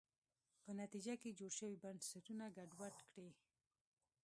په نتیجه کې جوړ شوي بنسټونه ګډوډ کړي.